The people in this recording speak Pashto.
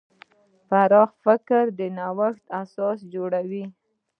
پراخ فکر د نوښت اساس جوړوي.